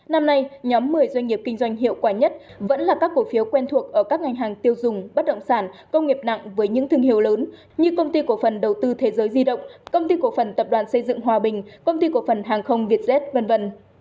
năm nay nhóm một mươi doanh nghiệp kinh doanh hiệu quả nhất vẫn là các cổ phiếu quen thuộc ở các ngành hàng tiêu dùng bất động sản công nghiệp nặng với những thương hiệu lớn như công ty cổ phần đầu tư thế giới di động công ty cổ phần tập đoàn xây dựng hòa bình công ty cổ phần hàng không vietjet v v